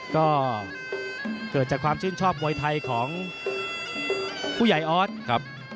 ก็เกิดจากความชื่นชอบมวยไทยของผู้ใหญ่ออสครับ